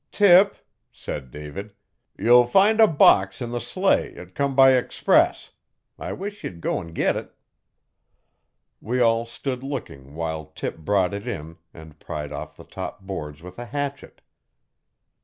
'Tip,' said David, 'you'll find a box in the sleigh 'at come by express. I wish ye'd go'n git it.' We all stood looking while Tip brought it in and pried off the top boards with a hatchet.